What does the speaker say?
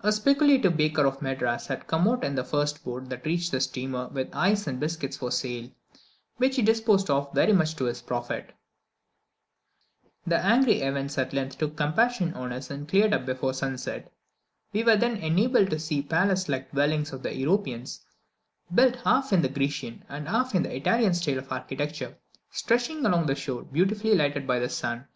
A speculative baker of Madras had come out in the first boat that reached the steamer with ice and biscuits for sale, which he disposed of very much to his profit. The angry heavens at length took compassion on us and cleared up before sunset. We were then enabled to see the palace like dwellings of the Europeans, built half in the Grecian and half in the Italian style of architecture, stretching along the shore and beautifully lighted by the sun.